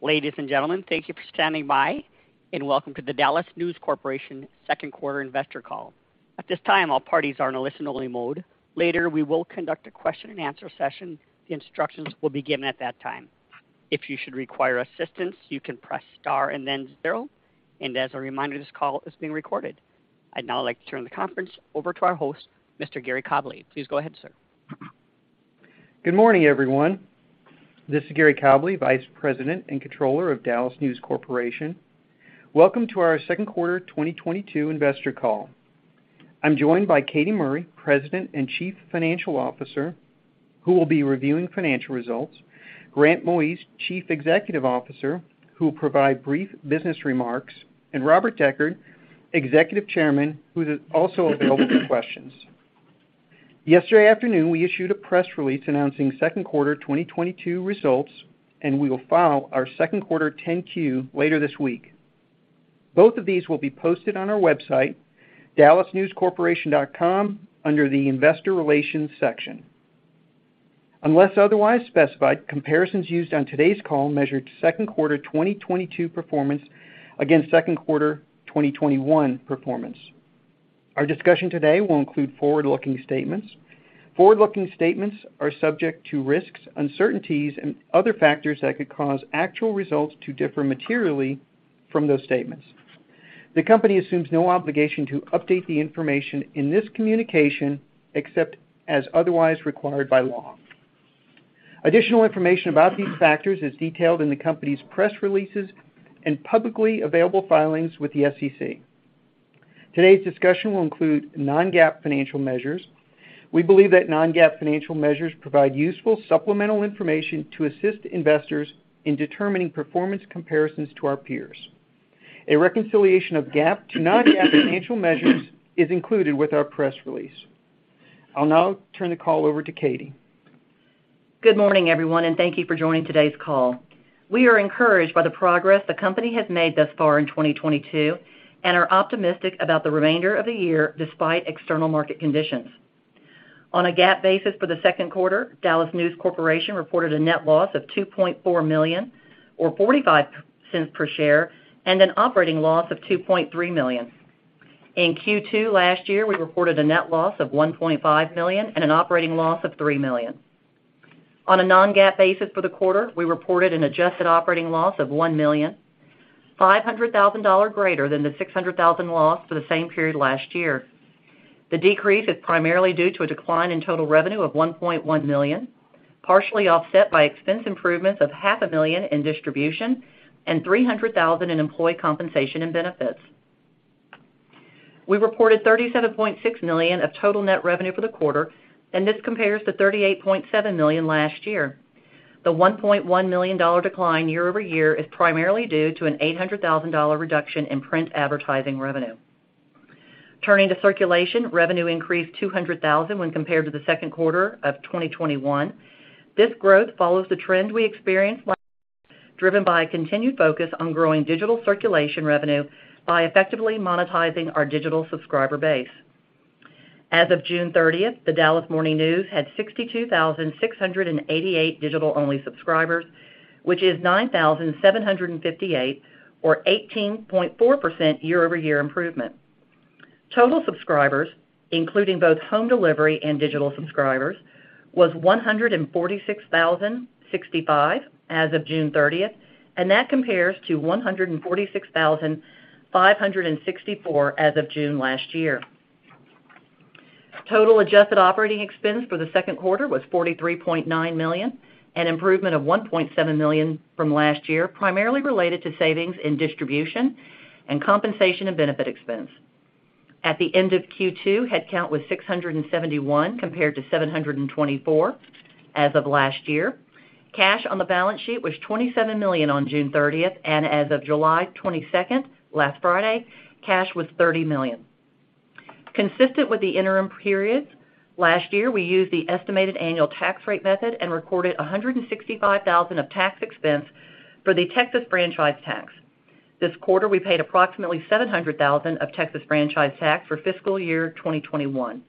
Ladies and gentlemen, thank you for standing by, and welcome to the DallasNews Corporation second quarter investor call. At this time, all parties are in a listen-only mode. Later, we will conduct a Q&A session. The instructions will be given at that time. If you should require assistance, you can press star and then zero. As a reminder, this call is being recorded. I'd now like to turn the conference over to our host, Mr. Gary Cobleigh. Please go ahead, sir. Good morning, everyone. This is Gary Cobleigh, Vice President and Controller of DallasNews Corporation. Welcome to our second quarter 2022 investor call. I'm joined by Katy Murray, President and Chief Financial Officer, who will be reviewing financial results, Grant Moise, Chief Executive Officer, who will provide brief business remarks, and Robert Decherd, Executive Chairman, who's also available for questions. Yesterday afternoon, we issued a press release announcing second quarter 2022 results, and we will file our second quarter 10-Q later this week. Both of these will be posted on our website, dallasnewscorporation.com, under the Investor Relations section. Unless otherwise specified, comparisons used on today's call measured second quarter 2022 performance against second quarter 2021 performance. Our discussion today will include forward-looking statements. Forward-looking statements are subject to risks, uncertainties, and other factors that could cause actual results to differ materially from those statements. The company assumes no obligation to update the information in this communication, except as otherwise required by law. Additional information about these factors is detailed in the company's press releases and publicly available filings with the SEC. Today's discussion will include non-GAAP financial measures. We believe that non-GAAP financial measures provide useful supplemental information to assist investors in determining performance comparisons to our peers. A reconciliation of GAAP to non-GAAP financial measures is included with our press release. I'll now turn the call over to Katy. Good morning, everyone, and thank you for joining today's call. We are encouraged by the progress the company has made thus far in 2022 and are optimistic about the remainder of the year despite external market conditions. On a GAAP basis for the second quarter, DallasNews Corporation reported a net loss of $2.4 million or $0.45 per share and an operating loss of $2.3 million. In Q2 last year, we reported a net loss of $1.5 million and an operating loss of $3 million. On a non-GAAP basis for the quarter, we reported an adjusted operating loss of $1.5 million dollars greater than the $600,000 loss for the same period last year. The decrease is primarily due to a decline in total revenue of $1.1 million, partially offset by expense improvements of $500,000 in distribution and $300,000 in employee compensation and benefits. We reported $37.6 million of total net revenue for the quarter, and this compares to $38.7 million last year. The $1.1 million decline year-over-year is primarily due to an $800,000 reduction in print advertising revenue. Turning to circulation, revenue increased $200,000 when compared to the second quarter of 2021. This growth follows the trend we experienced, driven by a continued focus on growing digital circulation revenue by effectively monetizing our digital subscriber base. As of June 30, The Dallas Morning News had 62,688 digital-only subscribers, which is 9,758 or 18.4% year-over-year improvement. Total subscribers, including both home delivery and digital subscribers, was 146,065 as of June 30th, and that compares to 146,564 as of June last year. Total adjusted operating expense for the second quarter was $43.9 million, an improvement of $1.7 million from last year, primarily related to savings in distribution and compensation and benefit expense. At the end of Q2, headcount was 671 compared to 724 as of last year. Cash on the balance sheet was $27 million on June 30th, and as of July 22nd, last Friday, cash was $30 million. Consistent with the interim periods last year, we used the estimated annual tax rate method and recorded $165,000 of tax expense for the Texas franchise tax. This quarter, we paid approximately $700,000 of Texas franchise tax for fiscal year 2021.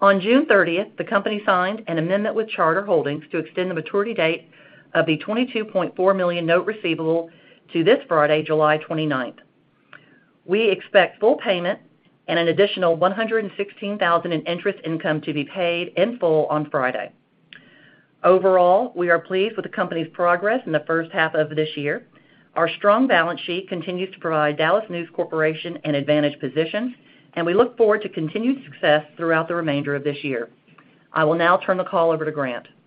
On June 30th, the company signed an amendment with Charter Holdings to extend the maturity date of the $22.4 million note receivable to this Friday, July 29th. We expect full payment and an additional $116,000 in interest income to be paid in full on Friday. Overall, we are pleased with the company's progress in the first half of this year. Our strong balance sheet continues to provide DallasNews Corporation an advantage position, and we look forward to continued success throughout the remainder of this year. I will now turn the call over to Grant. Thank you,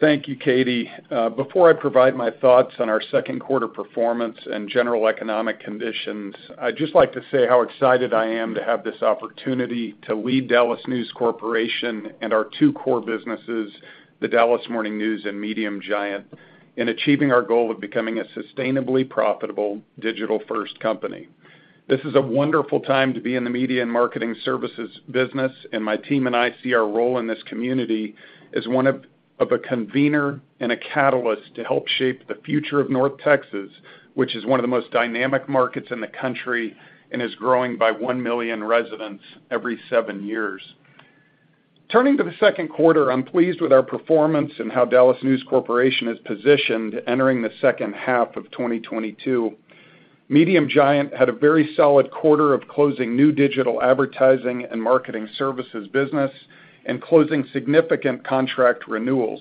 Katy. Before I provide my thoughts on our second quarter performance and general economic conditions, I'd just like to say how excited I am to have this opportunity to lead DallasNews Corporation and our two core businesses, The Dallas Morning News and Medium Giant, in achieving our goal of becoming a sustainably profitable digital-first company. This is a wonderful time to be in the media and marketing services business, and my team and I see our role in this community as one of a convener and a catalyst to help shape the future of North Texas, which is one of the most dynamic markets in the country and is growing by 1 million residents every seven years. Turning to the second quarter, I'm pleased with our performance and how DallasNews Corporation is positioned entering the second half of 2022. Medium Giant had a very solid quarter of closing new digital advertising and marketing services business and closing significant contract renewals.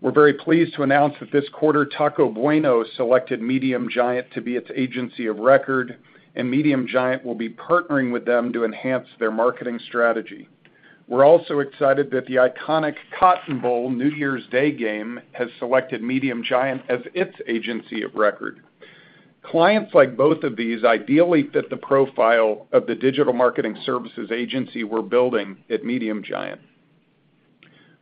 We're very pleased to announce that this quarter, Taco Bueno selected Medium Giant to be its agency of record, and Medium Giant will be partnering with them to enhance their marketing strategy. We're also excited that the iconic Cotton Bowl New Year's Day game has selected Medium Giant as its agency of record. Clients like both of these ideally fit the profile of the digital marketing services agency we're building at Medium Giant.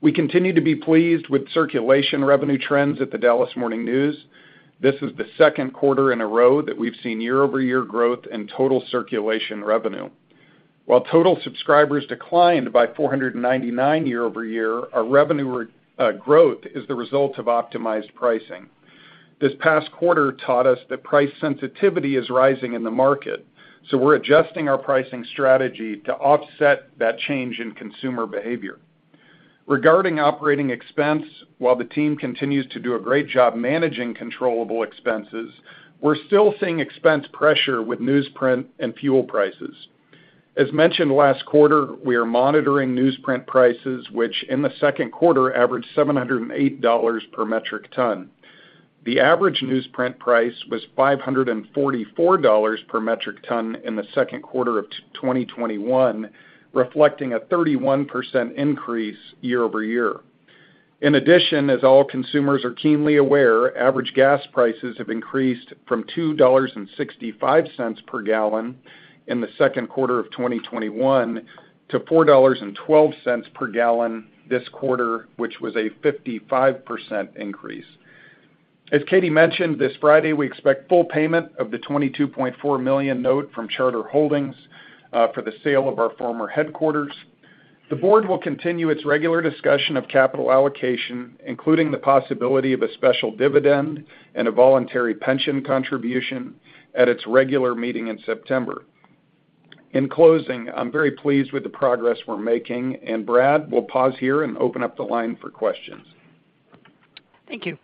We continue to be pleased with circulation revenue trends at The Dallas Morning News. This is the second quarter in a row that we've seen year-over-year growth in total circulation revenue. While total subscribers declined by 499 year-over-year, our revenue growth is the result of optimized pricing. This past quarter taught us that price sensitivity is rising in the market, so we're adjusting our pricing strategy to offset that change in consumer behavior. Regarding operating expense, while the team continues to do a great job managing controllable expenses, we're still seeing expense pressure with newsprint and fuel prices. As mentioned last quarter, we are monitoring newsprint prices, which in the second quarter averaged $708 per metric ton. The average newsprint price was $544 per metric ton in the second quarter of 2021, reflecting a 31% increase year-over-year. In addition, as all consumers are keenly aware, average gas prices have increased from $2.65 per gallon in the second quarter of 2021 to $4.12 per gallon this quarter, which was a 55% increase. As Katie mentioned, this Friday we expect full payment of the $22.4 million note from Charter Holdings for the sale of our former headquarters. The board will continue its regular discussion of capital allocation, including the possibility of a special dividend and a voluntary pension contribution at its regular meeting in September. In closing, I'm very pleased with the progress we're making, and Brad, we'll pause here and open up the line for questions. Thank you.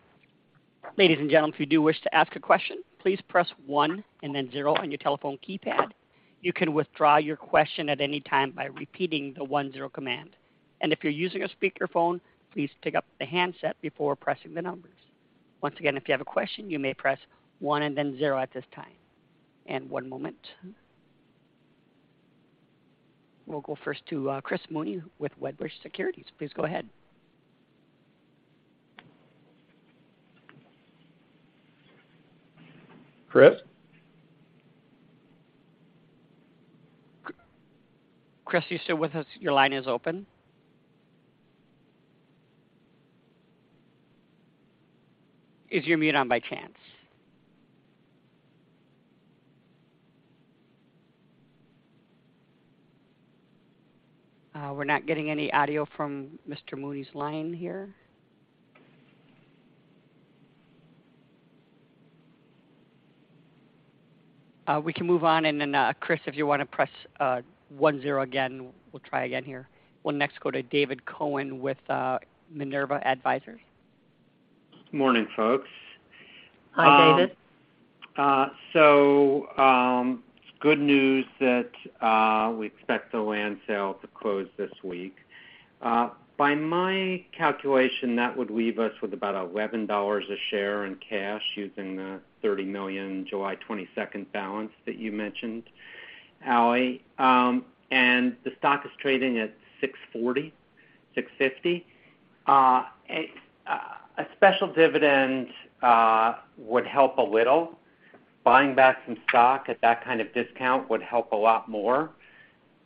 Ladies and gentlemen, if you do wish to ask a question, please press one and then zero on your telephone keypad. You can withdraw your question at any time by repeating the one-zero command. If you're using a speakerphone, please pick up the handset before pressing the numbers. Once again, if you have a question, you may press one and then zero at this time. One moment. We'll go first to Chris Mooney with Wedbush Securities. Please go ahead. Chris? Chris, are you still with us? Your line is open. Is your mute on by chance? We're not getting any audio from Mr. Mooney's line here. We can move on and then, Chris, if you wanna press one-zero again, we'll try again here. We'll next go to David Cohen with Minerva Advisors. Morning, folks. Hi, David. Good news that we expect the land sale to close this week. By my calculation, that would leave us with about $11 a share in cash using the $30 million July 22nd balance that you mentioned, Katy, and the stock is trading at $6.40-$6.50. A special dividend would help a little. Buying back some stock at that kind of discount would help a lot more.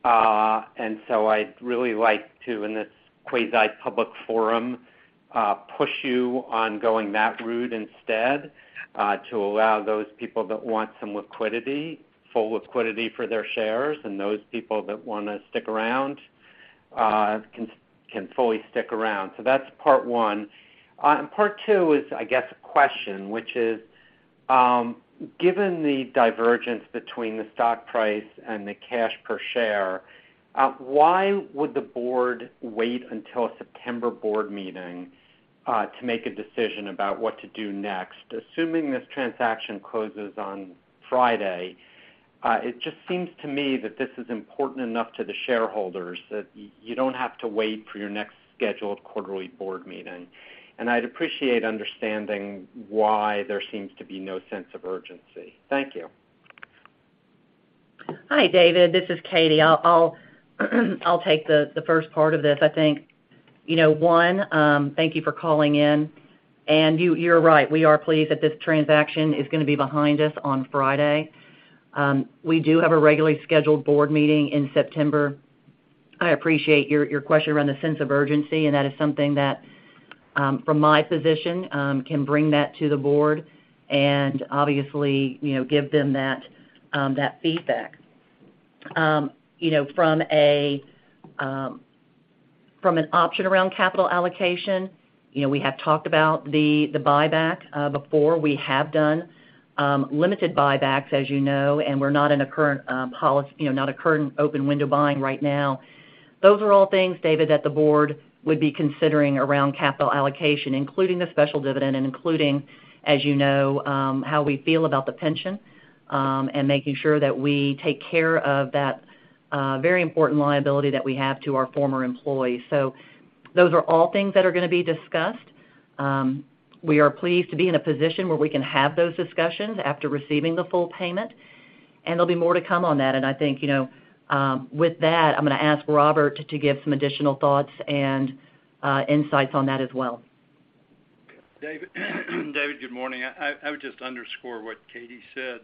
I'd really like to, in this quasi-public forum, push you on going that route instead, to allow those people that want some liquidity, full liquidity for their shares, and those people that wanna stick around can fully stick around. That's part one. Part two is, I guess, a question, which is, given the divergence between the stock price and the cash per share, why would the board wait until a September board meeting to make a decision about what to do next? Assuming this transaction closes on Friday, it just seems to me that this is important enough to the shareholders that you don't have to wait for your next scheduled quarterly board meeting. I'd appreciate understanding why there seems to be no sense of urgency. Thank you. Hi, David. This is Katy. I'll take the first part of this. I think, you know, thank you for calling in. You're right, we are pleased that this transaction is gonna be behind us on Friday. We do have a regularly scheduled board meeting in September. I appreciate your question around the sense of urgency, and that is something that from my position can bring that to the board and obviously, you know, give them that feedback. You know, from an option around capital allocation. You know, we have talked about the buyback before. We have done limited buybacks, as you know, and we're not in a current policy, you know, not a current open window buying right now. Those are all things, David, that the board would be considering around capital allocation, including the special dividend and including, as you know, how we feel about the pension, and making sure that we take care of that, very important liability that we have to our former employees. Those are all things that are gonna be discussed. We are pleased to be in a position where we can have those discussions after receiving the full payment, and there'll be more to come on that. I think, you know, with that, I'm gonna ask Robert to give some additional thoughts and, insights on that as well. David, good morning. I would just underscore what Katy said,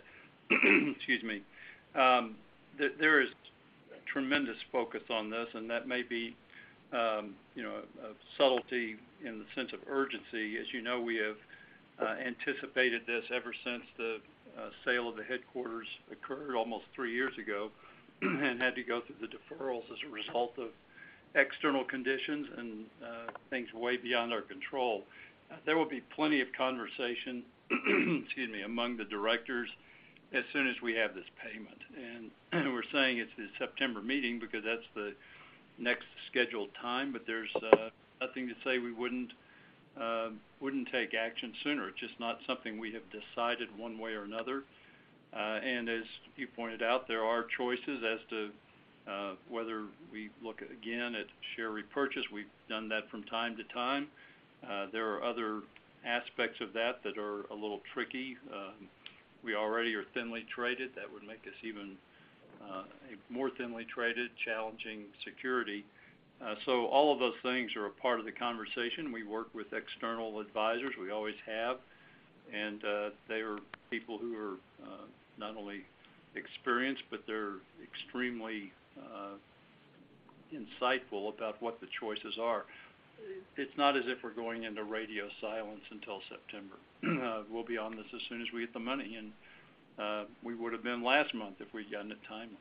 excuse me. There is tremendous focus on this, and that may be, you know, a subtlety in the sense of urgency. As you know, we have anticipated this ever since the sale of the headquarters occurred almost three years ago and had to go through the deferrals as a result of external conditions and things way beyond our control. There will be plenty of conversation, excuse me, among the directors as soon as we have this payment. We're saying it's the September meeting because that's the next scheduled time, but there's nothing to say we wouldn't take action sooner. It's just not something we have decided one way or another. As you pointed out, there are choices as to whether we look again at share repurchase. We've done that from time to time. There are other aspects of that that are a little tricky. We already are thinly traded. That would make us even a more thinly traded, challenging security. All of those things are a part of the conversation. We work with external advisors. We always have. They are people who are not only experienced, but they're extremely insightful about what the choices are. It's not as if we're going into radio silence until September. We'll be on this as soon as we get the money, and we would have been last month if we'd gotten it timely.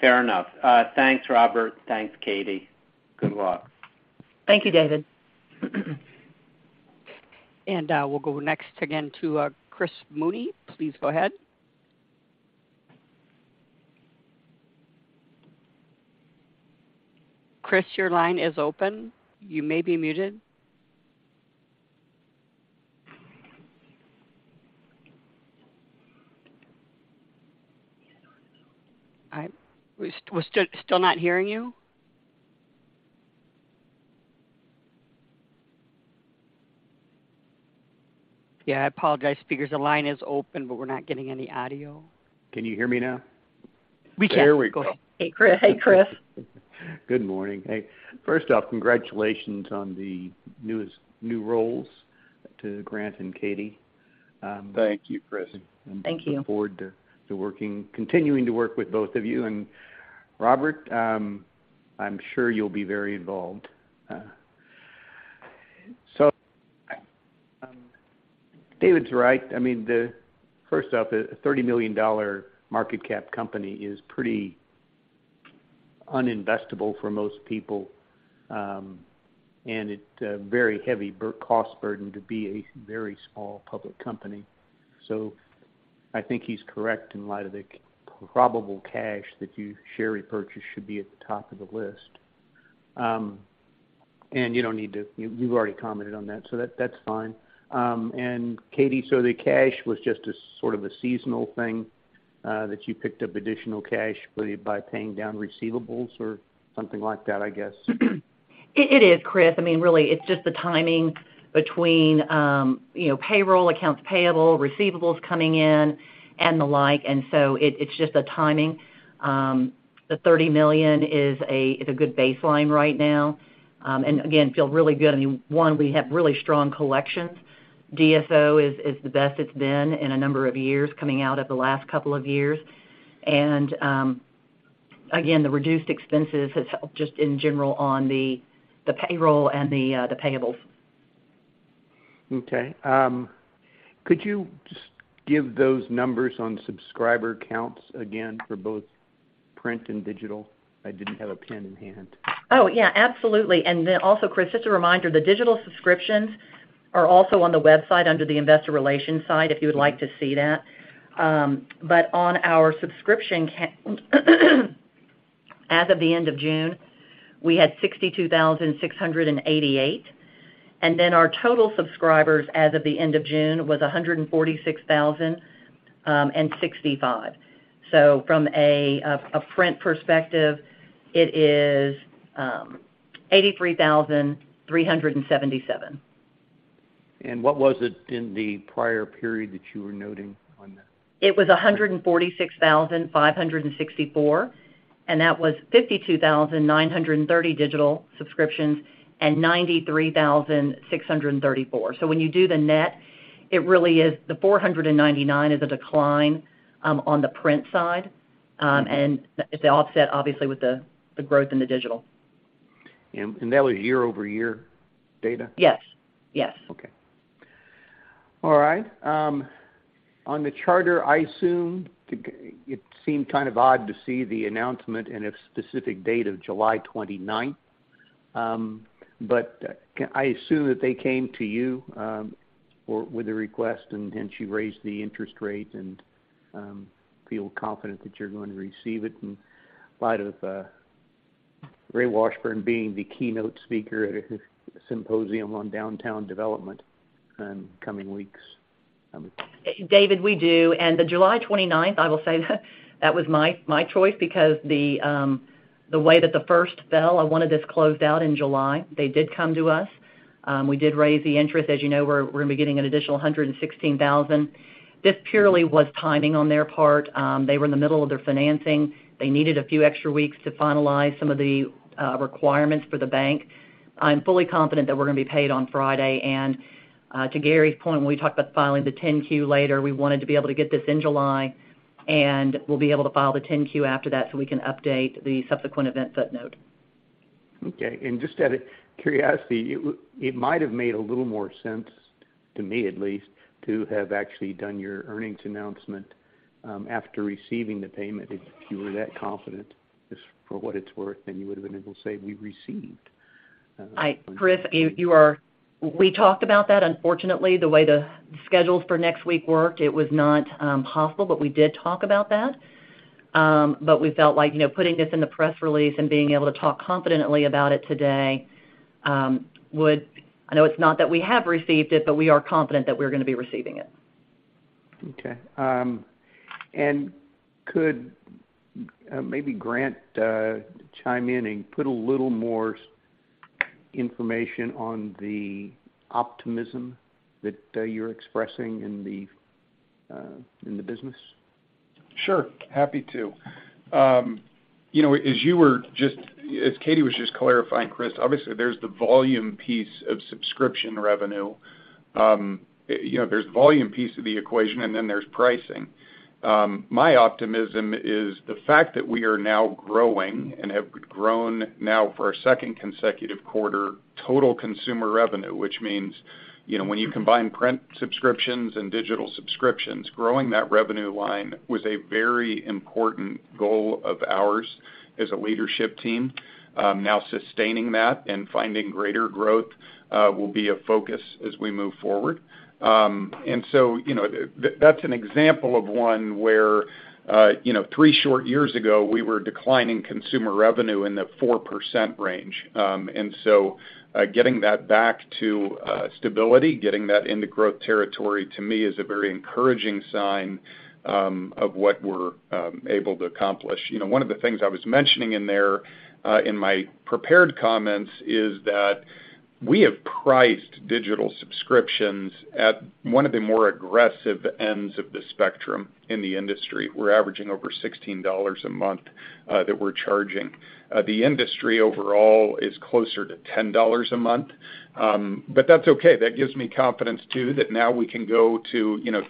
Fair enough. Thanks, Robert. Thanks, Katy. Good luck. Thank you, David. We'll go next again to Chris Mooney. Please go ahead. Chris, your line is open. You may be muted. We're still not hearing you. Yeah, I apologize, speakers. The line is open, but we're not getting any audio. Can you hear me now? We can. There we go. Go ahead. Hey, Chris. Good morning. Hey, first off, congratulations on the new roles to Grant and Katy. Thank you, Chris. Thank you. Look forward to continuing to work with both of you. Robert, I'm sure you'll be very involved. David's right. I mean, first off, a $30 million market cap company is pretty uninvestable for most people, and it's a very heavy cost burden to be a very small public company. I think he's correct in light of the probable cash that your share repurchase should be at the top of the list. You don't need to. You've already commented on that, so that's fine. Katy, the cash was just a sort of a seasonal thing, that you picked up additional cash by paying down receivables or something like that, I guess? It is, Chris. I mean, really, it's just the timing between, you know, payroll, accounts payable, receivables coming in and the like. It's just the timing. The $30 million is a good baseline right now. Again, feel really good. I mean, one, we have really strong collections. DSO is the best it's been in a number of years coming out of the last couple of years. Again, the reduced expenses has helped just in general on the payroll and the payables. Okay. Could you just give those numbers on subscriber counts again for both print and digital? I didn't have a pen in hand. Oh, yeah, absolutely. Then also, Chris, just a reminder, the digital subscriptions are also on the website under the investor relations side, if you would like to see that. On our subscription as of the end of June, we had 62,688, and then our total subscribers as of the end of June was 146,065. From a print perspective, it is 83,377. What was it in the prior period that you were noting on that? It was 146,564, and that was 52,930 digital subscriptions and 93,634. When you do the net, it really is the 499 is a decline on the print side. And it's offset obviously with the growth in the digital. That was year-over-year data? Yes. Yes. Okay. All right. On the Charter Holdings, I assume it seemed kind of odd to see the announcement and a specific date of July 29th. I assume that they came to you or with a request, and you raised the interest rate and feel confident that you're going to receive it in light of Ray Washburne being the keynote speaker at a symposium on downtown development in coming weeks. David, we do. The July 29th, I will say that that was my choice because the way that the first fell, I wanted this closed out in July. They did come to us. We did raise the interest. As you know, we're gonna be getting an additional $116,000. This purely was timing on their part. They were in the middle of their financing. They needed a few extra weeks to finalize some of the requirements for the bank. I'm fully confident that we're gonna be paid on Friday. To Gary's point, when we talked about filing the 10-Q later, we wanted to be able to get this in July, and we'll be able to file the 10-Q after that, so we can update the subsequent event footnote. Okay. Just out of curiosity, it might have made a little more sense, to me at least, to have actually done your earnings announcement after receiving the payment if you were that confident, just for what it's worth, then you would have been able to say, we received. Chris, we talked about that. Unfortunately, the way the schedules for next week worked, it was not possible. We did talk about that. We felt like, you know, putting this in the press release and being able to talk confidently about it today, would. I know it's not that we have received it, but we are confident that we're gonna be receiving it. Okay. Could maybe Grant chime in and put a little more information on the optimism that you're expressing in the business? Sure, happy to. You know, as Katy was just clarifying, Chris, obviously there's the volume piece of subscription revenue. You know, there's volume piece of the equation, and then there's pricing. My optimism is the fact that we are now growing and have grown now for a second consecutive quarter total consumer revenue, which means, you know, when you combine print subscriptions and digital subscriptions, growing that revenue line was a very important goal of ours as a leadership team. Now sustaining that and finding greater growth, will be a focus as we move forward. You know, that's an example of one where, you know, three short years ago, we were declining consumer revenue in the 4% range. Getting that back to stability, getting that into growth territory, to me, is a very encouraging sign of what we're able to accomplish. You know, one of the things I was mentioning in there in my prepared comments is that we have priced digital subscriptions at one of the more aggressive ends of the spectrum in the industry. We're averaging over $16 a month that we're charging. The industry overall is closer to $10 a month. That's okay. That gives me confidence too, that now we can go to, you know,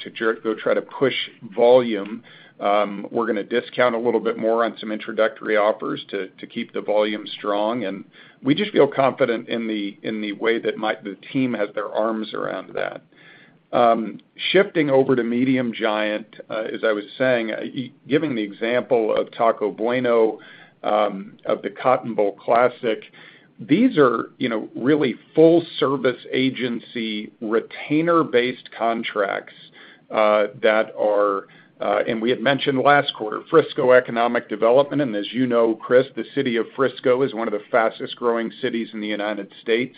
go try to push volume. We're gonna discount a little bit more on some introductory offers to keep the volume strong, and we just feel confident in the way that the team has their arms around that. Shifting over to Medium Giant, as I was saying, giving the example of Taco Bueno, of the Cotton Bowl Classic, these are, you know, really full-service agency, retainer-based contracts that are. We had mentioned last quarter, Frisco Economic Development, and as you know, Chris, the city of Frisco is one of the fastest-growing cities in the United States.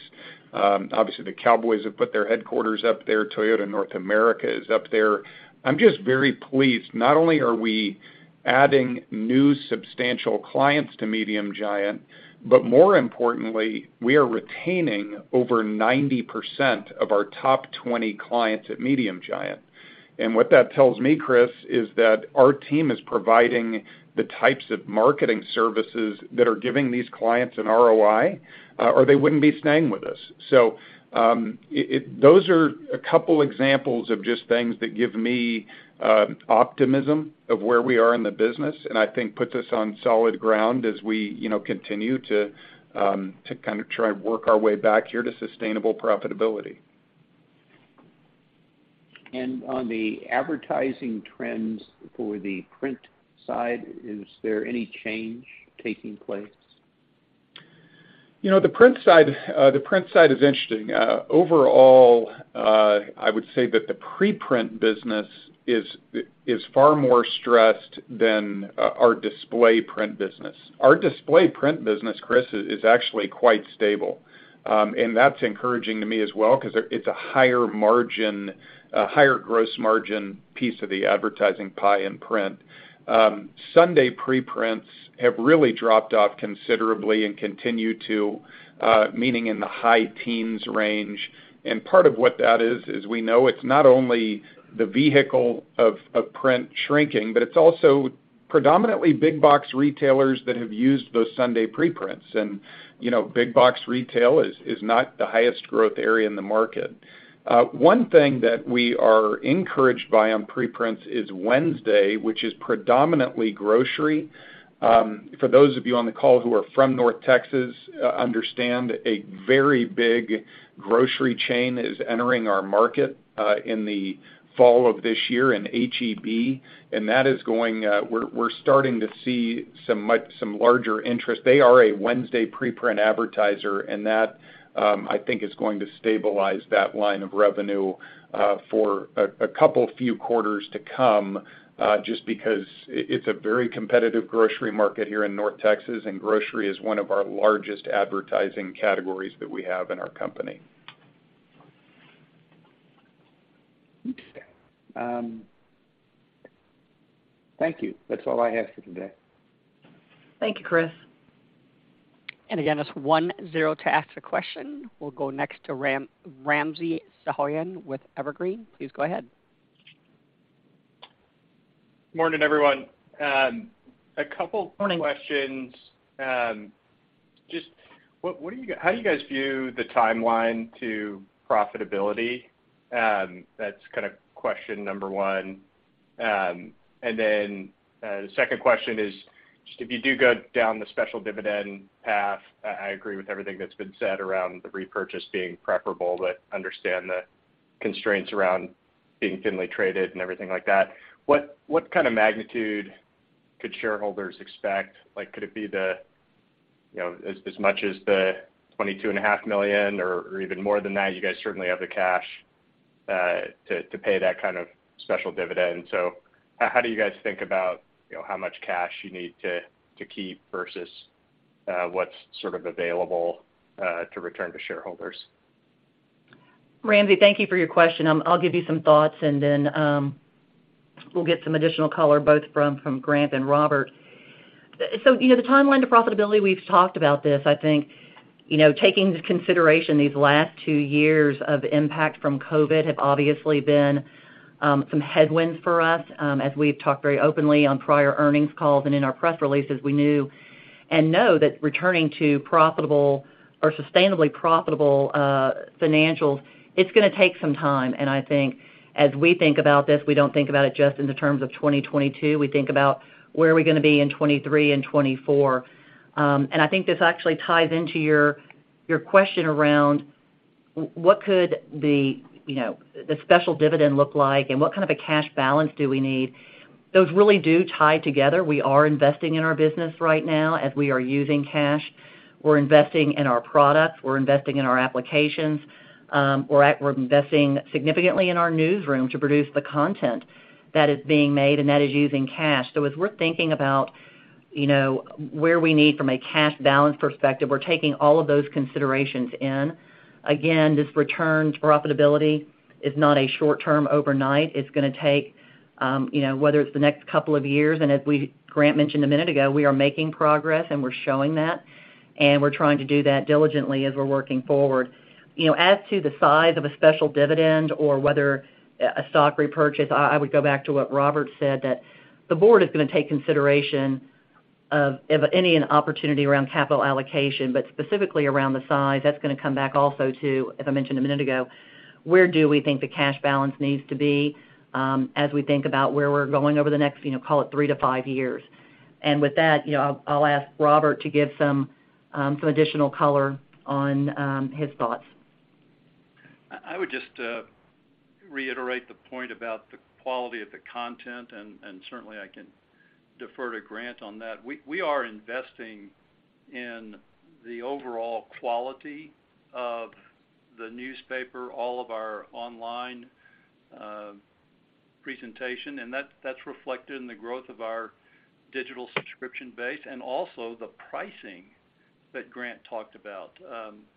Obviously, the Cowboys have put their headquarters up there. Toyota Motor North America is up there. I'm just very pleased. Not only are we adding new substantial clients to Medium Giant, but more importantly, we are retaining over 90% of our top 20 clients at Medium Giant. What that tells me, Chris, is that our team is providing the types of marketing services that are giving these clients an ROI, or they wouldn't be staying with us. Those are a couple examples of just things that give me optimism of where we are in the business, and I think puts us on solid ground as we, you know, continue to kind of try and work our way back here to sustainable profitability. On the advertising trends for the print side, is there any change taking place? You know, the print side is interesting. Overall, I would say that the pre-print business is far more stressed than our display print business. Our display print business, Chris, is actually quite stable. And that's encouraging to me as well 'cause it's a higher margin, a higher gross margin piece of the advertising pie in print. Sunday pre-prints have really dropped off considerably and continue to meaning in the high teens range. Part of what that is, as we know, it's not only the vehicle of print shrinking, but it's also Predominantly big box retailers that have used those Sunday preprints. You know, big box retail is not the highest growth area in the market. One thing that we are encouraged by on preprints is Wednesday, which is predominantly grocery. For those of you on the call who are from North Texas, understand a very big grocery chain is entering our market in the fall of this year, an H-E-B, and we're starting to see some larger interest. They are a Wednesday preprint advertiser, and that I think is going to stabilize that line of revenue for a couple few quarters to come, just because it's a very competitive grocery market here in North Texas, and grocery is one of our largest advertising categories that we have in our company. Thank you. That's all I have for today. Thank you, Chris. Again, that's one zero to ask a question. We'll go next to Ramsey Sahyoun with Evergreen. Please go ahead. Morning, everyone. A couple- Morning Questions. Just what do you guys view the timeline to profitability? That's kinda question number one. The second question is just if you do go down the special dividend path, I agree with everything that's been said around the repurchase being preferable, but understand the constraints around being thinly traded and everything like that. What kind of magnitude could shareholders expect? Like, could it be, you know, as much as the $22.5 million or even more than that? You guys certainly have the cash to pay that kind of special dividend. How do you guys think about, you know, how much cash you need to keep versus what's sort of available to return to shareholders? Ramsey, thank you for your question. I'll give you some thoughts and then, we'll get some additional color both from Grant and Robert. You know, the timeline to profitability, we've talked about this. I think, you know, taking into consideration these last two years of impact from COVID have obviously been some headwinds for us, as we've talked very openly on prior earnings calls and in our press releases, we knew and know that returning to profitable or sustainably profitable financials, it's gonna take some time. I think as we think about this, we don't think about it just in the terms of 2022. We think about where are we gonna be in 2023 and 2024. I think this actually ties into your question around what could the, you know, the special dividend look like, and what kind of a cash balance do we need? Those really do tie together. We are investing in our business right now as we are using cash. We're investing in our products. We're investing in our applications. We're investing significantly in our newsroom to produce the content that is being made, and that is using cash. As we're thinking about, you know, where we need from a cash balance perspective, we're taking all of those considerations in. Again, this return to profitability is not a short term overnight. It's gonna take, you know, whether it's the next couple of years, Grant mentioned a minute ago, we are making progress, and we're showing that, and we're trying to do that diligently as we're working forward. You know, as to the size of a special dividend or whether a stock repurchase, I would go back to what Robert said that the board is gonna take consideration of any opportunity around capital allocation, but specifically around the size, that's gonna come back also to, as I mentioned a minute ago, where do we think the cash balance needs to be, as we think about where we're going over the next, you know, call it three to five years. With that, you know, I'll ask Robert to give some additional color on his thoughts. I would just reiterate the point about the quality of the content, and certainly I can defer to Grant on that. We are investing in the overall quality of the newspaper, all of our online presentation, and that's reflected in the growth of our digital subscription base and also the pricing that Grant talked about.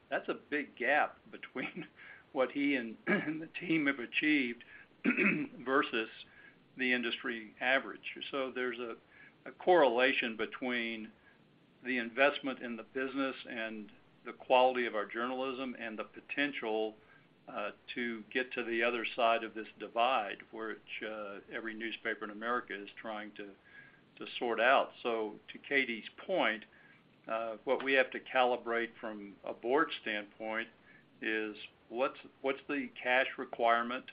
That's a big gap between what he and the team have achieved versus the industry average. There's a correlation between the investment in the business and the quality of our journalism and the potential to get to the other side of this divide, which every newspaper in America is trying to sort out. To Katy's point, what we have to calibrate from a board standpoint is what's the cash requirement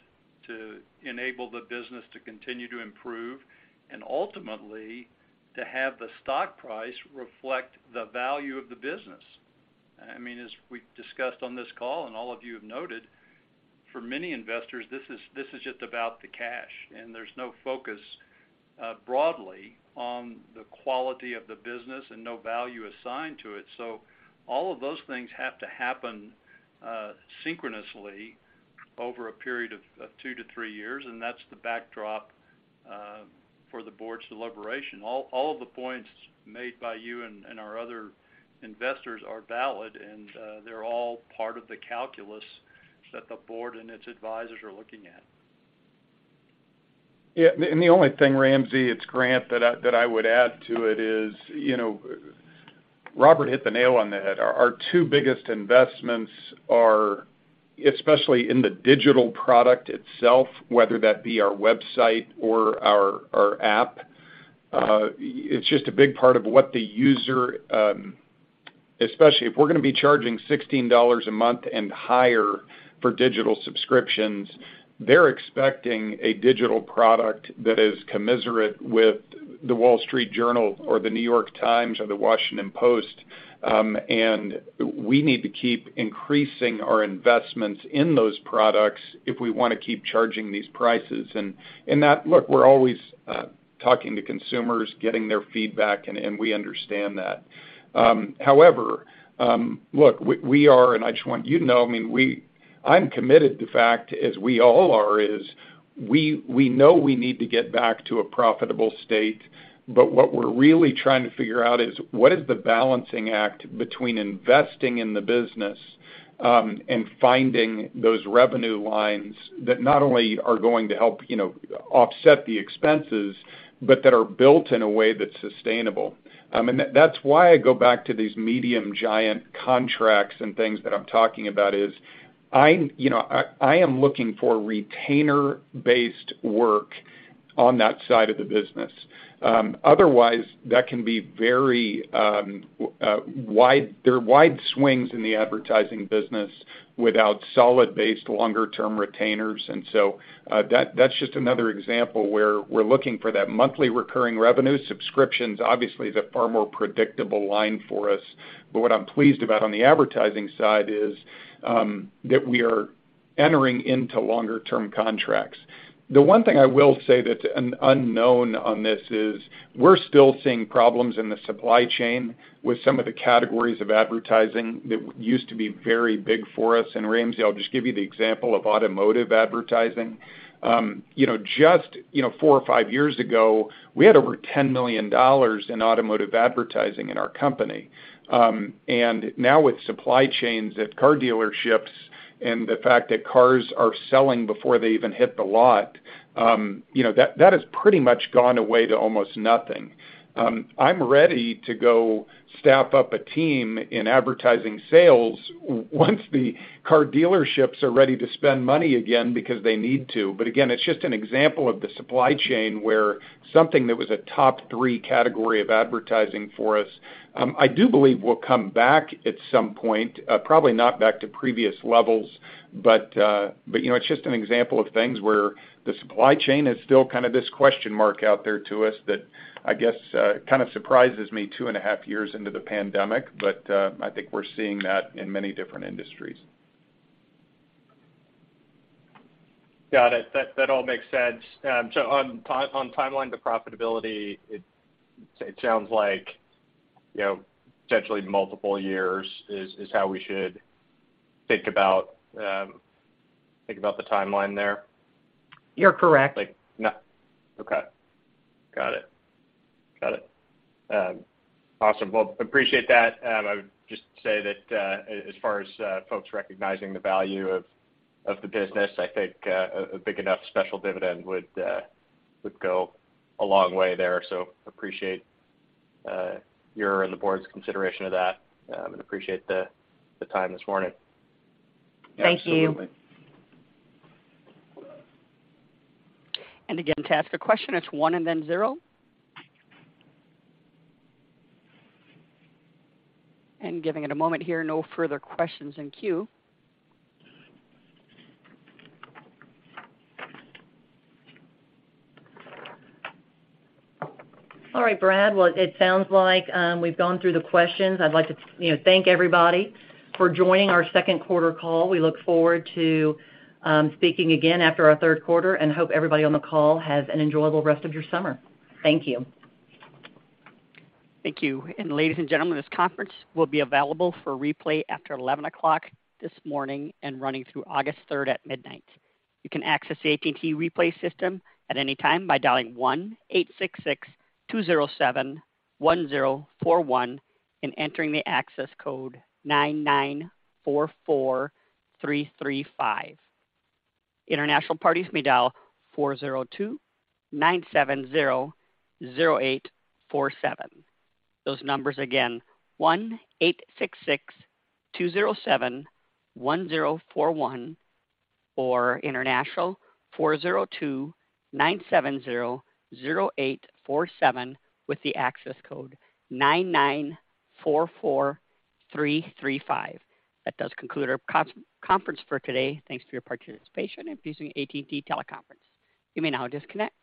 to enable the business to continue to improve and ultimately to have the stock price reflect the value of the business. I mean, as we've discussed on this call, and all of you have noted, for many investors, this is just about the cash, and there's no focus broadly on the quality of the business and no value assigned to it. All of those things have to happen synchronously over a period of two to three years, and that's the backdrop for the board's deliberation. All of the points made by you and our other investors are valid, and they're all part of the calculus that the board and its advisors are looking at. Yeah, the only thing, Ramsey, it's Grant, that I would add to it is, you know, Robert hit the nail on the head. Our two biggest investments are especially in the digital product itself, whether that be our website or our app. It's just a big part of what the user. Especially if we're gonna be charging $16 a month and higher for digital subscriptions, they're expecting a digital product that is commensurate with The Wall Street Journal or The New York Times or The Washington Post. We need to keep increasing our investments in those products if we wanna keep charging these prices. That, look, we're always talking to consumers, getting their feedback, and we understand that. However, look, we are and I just want you to know, I mean, we're committed in fact, as we all are, we know we need to get back to a profitable state. What we're really trying to figure out is what is the balancing act between investing in the business and finding those revenue lines that not only are going to help, you know, offset the expenses, but that are built in a way that's sustainable. That's why I go back to these Medium Giant contracts and things that I'm talking about. I'm, you know, I am looking for retainer-based work on that side of the business. Otherwise, that can be very wide swings in the advertising business without solid-based longer term retainers. That's just another example where we're looking for that monthly recurring revenue. Subscriptions, obviously, is a far more predictable line for us. But what I'm pleased about on the advertising side is that we are entering into longer term contracts. The one thing I will say that's an unknown on this is we're still seeing problems in the supply chain with some of the categories of advertising that used to be very big for us. Ramsey, I'll just give you the example of automotive advertising. You know, just, you know, four or five years ago, we had over $10 million in automotive advertising in our company. And now with supply chains at car dealerships and the fact that cars are selling before they even hit the lot, you know, that has pretty much gone away to almost nothing. I'm ready to go staff up a team in advertising sales once the car dealerships are ready to spend money again because they need to. Again, it's just an example of the supply chain where something that was a top three category of advertising for us, I do believe will come back at some point, probably not back to previous levels. You know, it's just an example of things where the supply chain is still kind of this question mark out there to us that I guess kind of surprises me two and a half years into the pandemic. I think we're seeing that in many different industries. Got it. That all makes sense. On timeline to profitability, it sounds like, you know, potentially multiple years is how we should think about the timeline there. You're correct. Like, Got it. Awesome. Well, appreciate that. I would just say that, as far as folks recognizing the value of the business, I think a big enough special dividend would go a long way there. Appreciate your and the board's consideration of that, and appreciate the time this morning. Thank you. Again, to ask a question, it's one and then zero. Giving it a moment here, no further questions in queue. All right, Brad. Well, it sounds like we've gone through the questions. I'd like to, you know, thank everybody for joining our second quarter call. We look forward to speaking again after our third quarter, and hope everybody on the call has an enjoyable rest of your summer. Thank you. Thank you. Ladies and gentlemen, this conference will be available for replay after 11:00 A.M. this morning and running through August 30th at midnight. You can access the AT&T Replay System at any time by dialing 1-866-207-1041 and entering the access code 9944335. International parties may dial 402-970-0847. Those numbers again, 1-866-207-1041 or international, 402-970-0847 with the access code 9944335. That does conclude our conference for today. Thanks for your participation in using AT&T Teleconference. You may now disconnect.